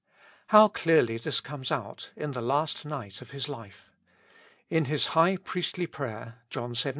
How clearly this comes out in the last night of His life. In His high priestly prayer (John xvii.).